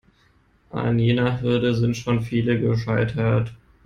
An jener Hürde sind schon viele gescheitert.